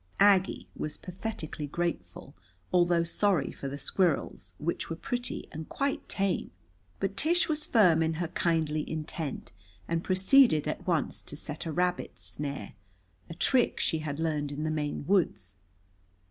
Aggie was pathetically grateful, although sorry for the squirrels, which were pretty and quite tame. But Tish was firm in her kindly intent, and proceeded at once to set a rabbit snare, a trick she had learned in the Maine woods.